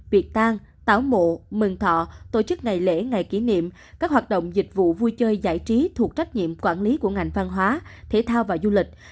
việc tan tảo mộ mừng thọ tổ chức ngày lễ ngày kỷ niệm các hoạt động dịch vụ vui chơi